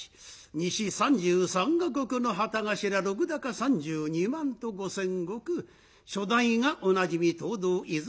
西３３国の旗頭禄高３２万と５，０００石初代がおなじみ藤堂和泉